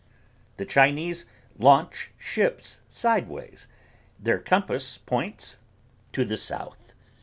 The Chinese launch ships sideways. Their compass points to the south.